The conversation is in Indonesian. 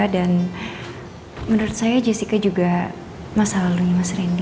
dan menurut saya jessica juga masa lalunya mas randy